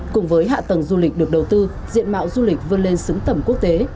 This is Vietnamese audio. cùng với hạ tầng du lịch được đầu tư diện mạo du lịch vươn lên xứng tầm quốc tế